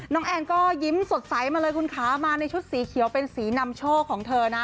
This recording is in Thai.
แอนก็ยิ้มสดใสมาเลยคุณคะมาในชุดสีเขียวเป็นสีนำโชคของเธอนะ